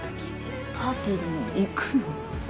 パーティーでも行くの？